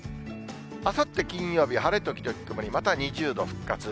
あさって金曜日、晴れ時々曇り、また２０度復活。